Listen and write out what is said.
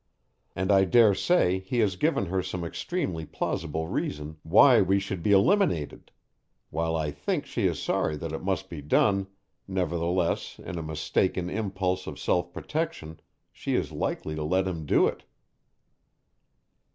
And I dare say he has given her some extremely plausible reason why we should be eliminated; while I think she is sorry that it must be done, nevertheless, in a mistaken impulse of self protection she is likely to let him do it."